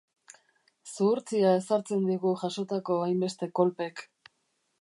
Zuhurtzia ezartzen digu jasotako hainbeste kolpek.